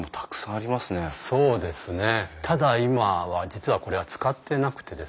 ただ今は実はこれは使ってなくてですね